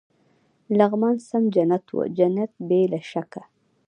لغمان سم جنت و، جنت بې له شکه.